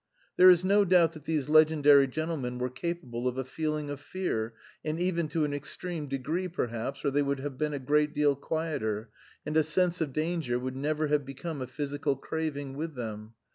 There is no doubt that these legendary gentlemen were capable of a feeling of fear, and even to an extreme degree, perhaps, or they would have been a great deal quieter, and a sense of danger would never have become a physical craving with them.